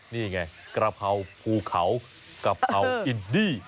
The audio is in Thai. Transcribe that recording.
นี่ไงกระเพราภูเขากะเพราอินดี้